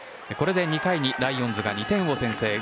これで２回にライオンズが２点を先制。